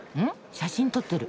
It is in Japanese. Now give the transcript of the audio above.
写真撮ってる。